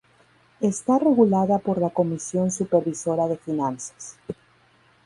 Está regulada por la Comisión Supervisora de Finanzas.